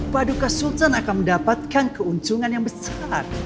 paduka sultan akan mendapatkan keuntungan yang besar